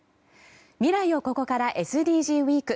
未来をここからＳＤＧｓウィーク。